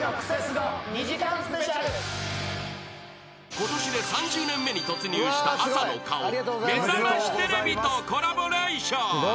［ことしで３０年目に突入した朝の顔『めざましテレビ』とコラボレーション］